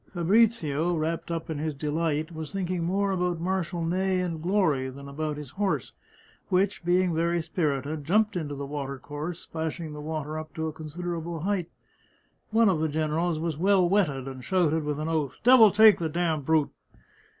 Fabrizio, wrapped up in his delight, was thinking more about Marshal Ney and glory than about his horse, which, being very spirited, jumped into the water course, splashing the water up to a considerable height. 42 The Chartreuse of Parma One of the generals was well wetted, and shouted with an oath, " Devil take the damned brute